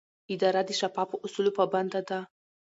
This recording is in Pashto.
اداره د شفافو اصولو پابنده ده.